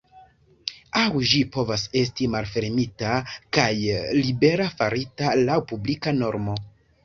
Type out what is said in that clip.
Aŭ ĝi povas esti malfermita kaj libera, farita laŭ publika normo.